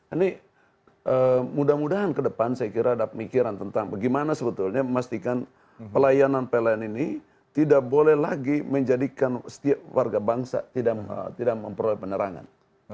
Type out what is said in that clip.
ini mudah mudahan ke depan saya kira ada pemikiran tentang bagaimana sebetulnya memastikan pelayanan pln ini tidak boleh lagi menjadikan setiap warga bangsa tidak memperoleh penerangan